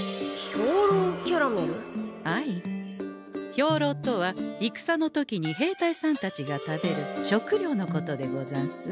兵糧とは戦の時に兵隊さんたちが食べる食糧のことでござんす。